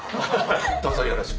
どうぞよろしく。